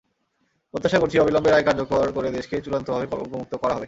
প্রত্যাশা করছি, অবিলম্বে রায় কার্যকর করে দেশকে চূড়ান্তভাবে কলঙ্কমুক্ত করা হবে।